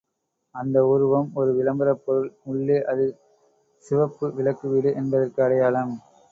அந்த உருவம் ஒரு விளம்பரப் பொருள் உள்ளே அது சிவப்பு விளக்கு வீடு என்பதற்கு அடையாளம்.